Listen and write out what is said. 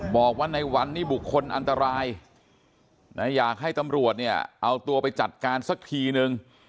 บอกว่าในวันนี้บุคคลอันตรายนะอยากให้ตำรวจเนี่ยเอาตัวไปจัดการสักทีนึง